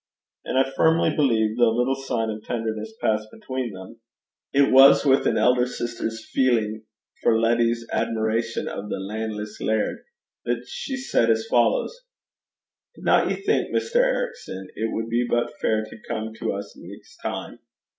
And I firmly believe, though little sign of tenderness passed between them, it was with an elder sister's feeling for Letty's admiration of the 'lan'less laird,' that she said as follows: 'Dinna ye think, Mr. Ericson, it wad be but fair to come to us neist time?